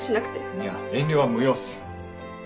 いや遠慮は無用っす。